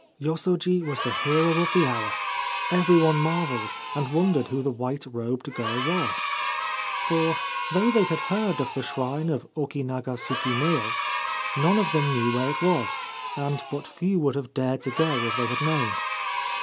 Yosoji was the hero of the hour. Every one marvelled, and wondered who the white robed girl was ; for, though they had heard of the shrine of Oki naga suku neo, none of them knew where it was, and but few would have dared to go if they had known.